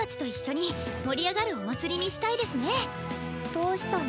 どうしたの？